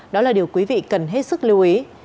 đó là điều quý vị cần hết sức lưu ý